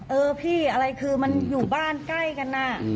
เออพี่อะไรคือมันอยู่บ้านใกล้กันน่ะ